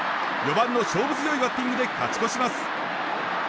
４番の勝負強いバッティングで勝ち越します。